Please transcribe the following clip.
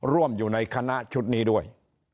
ร่วมอยู่ในคณะชุดนี้ด้วย